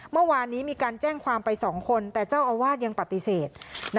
เมื่อวานนี้มีการแจ้งความไป๒คนแต่เจ้าอาวาสยังปฏิเสธ